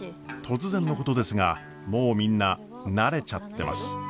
突然のことですがもうみんな慣れちゃってます。